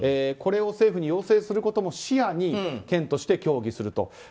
これを政府に要請することも視野に検討して、協議すると。